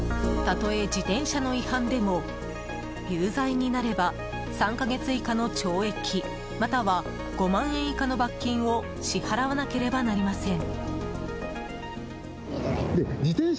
たとえ自転車の違反でも有罪になれば３か月以下の懲役または５万円以下の罰金を支払わなければなりません。